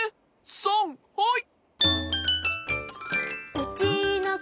さんはい！